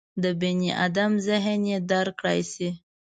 د بني ادم ذهن یې درک کړای شي.